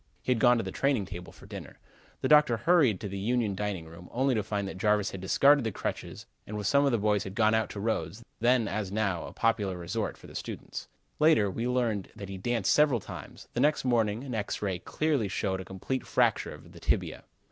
He had gone to the training table for dinner. The doctor hurried to the Union dining room, only to find that Jarvis had discarded the crutches and with some of the boys had gone out to Rhodes, then, as now, a popular resort for the students. Later, we learned that he danced several times. The next morning an X ray clearly showed a complete fracture of the tibia.